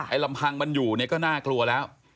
ลำพังมันอยู่เนี่ยก็น่ากลัวแล้ว